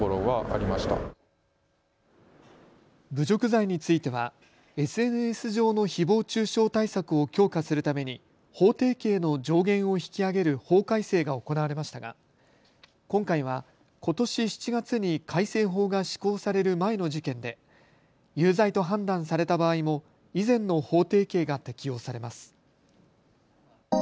侮辱罪についてはＳＮＳ上のひぼう中傷対策を強化するために法定刑の上限を引き上げる法改正が行われましたが今回はことし７月に改正法が施行される前の事件で有罪と判断された場合も以前の法定刑が適用されます。